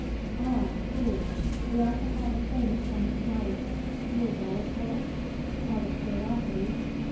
"Ah! true. We are to have a famous one to night. You'll go, of course?" "Out of curiosity."